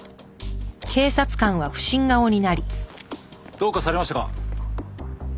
どうかされましたか？